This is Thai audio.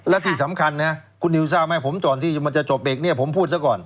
และที่สำคัญนะครับคุณนิวทราบไหมตอนที่มันจะจบอีกผมพูดซะก่อน